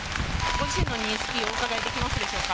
ご自身の認識をお伺いできますでしょうか。